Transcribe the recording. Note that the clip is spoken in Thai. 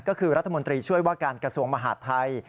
ก็คือรัฐมนตรีช่วยว่าการกระทรวงมหาดไทย